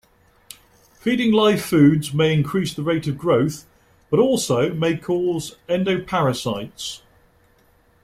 Feeding live foods may increase the rate of growth but also may cause endoparasites.